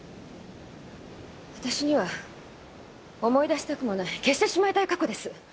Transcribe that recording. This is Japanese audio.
私には思い出したくもない消してしまいたい過去です。